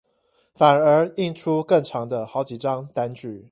反而印出更長的好幾張單據